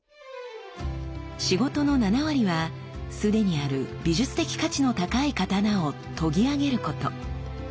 仕事の７割はすでにある美術的価値の高い刀を研ぎあげること。